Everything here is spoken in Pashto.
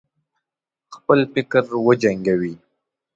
خپل فکر وجنګوي.